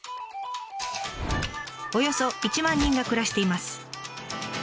およそ１万人が暮らしています。